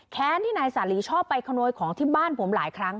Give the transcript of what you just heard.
ที่นายสาลีชอบไปขโมยของที่บ้านผมหลายครั้ง